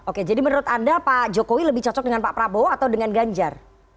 oke jadi menurut anda pak jokowi lebih cocok dengan pak prabowo atau dengan ganjar